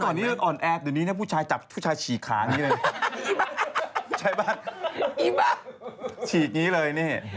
เมื่อก่อนนี้เลือดอ่อนแอบเด่วนี้ผู้ชายฉีกขานี่เลย